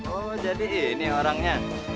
oh jadi ini orangnya